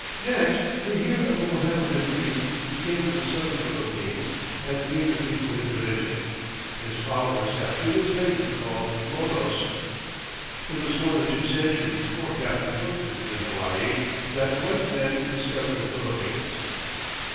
Next we hear of a Mohammedan priest who came to the southern Philippines and gave the people his religion. His followers have to this day been called Moros. It was more than two centuries before Captain Cook visited Hawaii, that white men discovered the Philippines.